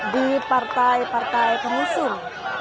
di partai partai pengusung